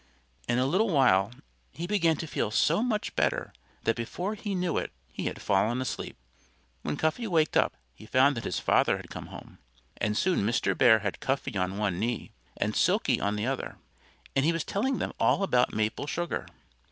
In a little while he began to feel so much better that before he knew it he had fallen asleep. When Cuffy waked up he found that his father had come home. And soon Mr. Bear had Cuffy on one knee, and Silkie on the other, and he was telling them all about maple sugar.